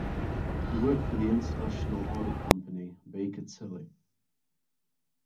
He worked for the international audit company Baker Tilly.